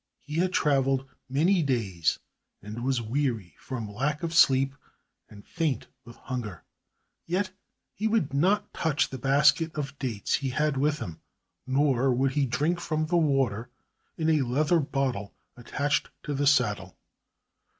He had traveled many days and was weary from lack of sleep and faint with hunger, yet he would not touch the basket of dates he had with him, nor would he drink from the water in a leather bottle attached to the saddle.